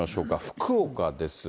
福岡です。